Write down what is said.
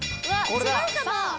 違うかな？